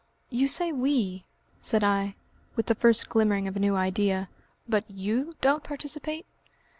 "You say We," said I, with the first glimmering of a new idea, "but you don't participate?"